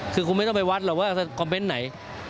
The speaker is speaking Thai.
คือคงไม่ต้องไปวัดหรอกว่าคอมเมนต์ไหน